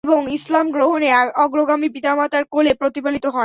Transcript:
এবং ইসলাম গ্রহণে অগ্রগামী পিতামাতার কোলে প্রতিপালিত হন।